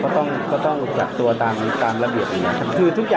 ถัดน้อยกว่าทางละเบียบ